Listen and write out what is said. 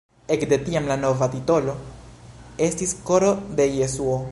Ekde tiam la nova titolo estis Koro de Jesuo.